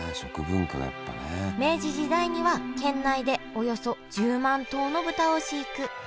明治時代には県内でおよそ１０万頭の豚を飼育。